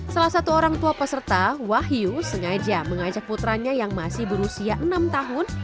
salah satu orang tua peserta wahyu sengaja mengajak putranya yang masih berusia enam tahun